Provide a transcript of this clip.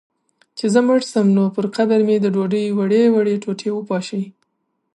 چي زه مړ سم، نو پر قبر مي د ډوډۍ وړې وړې ټوټې وپاشی